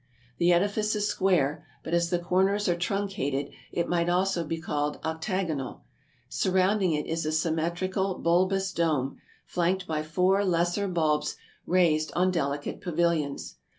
The edifice is square, but as the corners are truncated it might also be called octagonal. Surmounting it is a sym metrical, bulbous dome, flanked by four lesser bulbs raised ASIA 31? on delicate pavilions.